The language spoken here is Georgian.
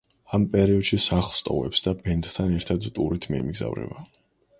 ამ პერიოდში სახლს ტოვებს და ბენდთან ერთად ტურით მიემგზავრება.